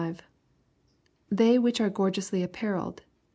— [They which are gorgeously apparelled